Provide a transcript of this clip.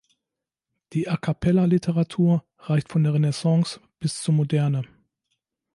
Die A-cappella-Literatur reicht von der Renaissance bis zur Moderne.